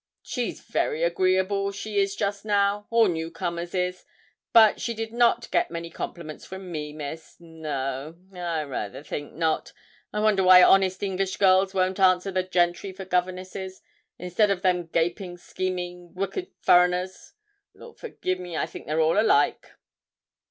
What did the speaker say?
She's very agreeable she is, just now all new comers is; but she did not get many compliments from me, Miss no, I rayther think not. I wonder why honest English girls won't answer the gentry for governesses, instead of them gaping, scheming, wicked furriners? Lord forgi' me, I think they're all alike.'